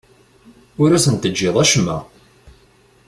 Ur asen-teǧǧiḍ acemma.